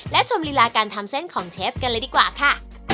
และชมลีลาการทำเส้นของเชฟกันเลยดีกว่าค่ะ